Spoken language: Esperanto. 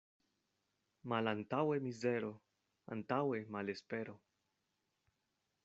Malantaŭe mizero, antaŭe malespero.